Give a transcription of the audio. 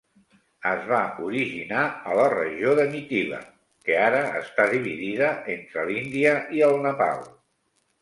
Es va originar a la regió de Mithila, que ara està dividida entre l'Índia i el Nepal.